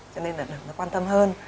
cho nên là đừng có quan tâm hơn